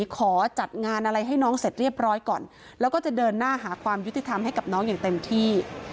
ขอจัดงานอะไรให้น้องเสร็จเรียบร้อยก่อนแล้วก็จะเดินหน้าหาความยุติธรรมให้กับน้องอย่างเต็มที่